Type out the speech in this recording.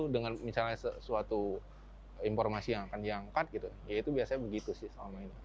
dengan misalnya suatu informasi yang akan diangkat ya itu biasanya begitu sih